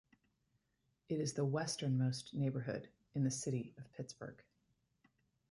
It is the westernmost neighborhood in the City of Pittsburgh.